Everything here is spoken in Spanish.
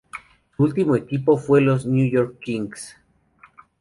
Su último equipo fue los New York Knicks.